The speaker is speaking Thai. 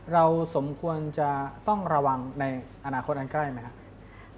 เราสมควรจะต้องระวังในอนาคตอันใกล้ไหมครับ